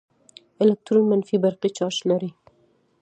الکترون منفي برقي چارچ لري.